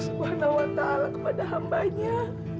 subhanahuwata'ala kepada hambanya